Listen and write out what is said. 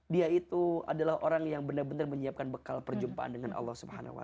dia itu adalah orang yang benar benar menyiapkan bekal perjumpaan dengan allah swt